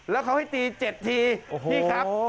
แล้วเขาให้ตี๗ทีนี่ครับ